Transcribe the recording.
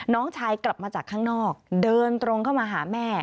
น้องชายกลับมาจากข้างนอกเดินตรงเข้ามาหาแม่